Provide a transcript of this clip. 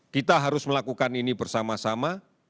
kita harus melakukan ini bersama sama